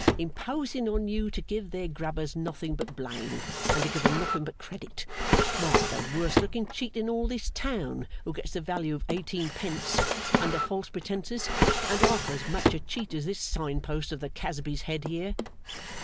Imposing on you to give their Grubbers nothing but blame, and to give them nothing but credit! Why, the worst looking cheat in all this town who gets the value of eighteenpence under false pretences, an't half such a cheat as this sign post of The Casby's Head here!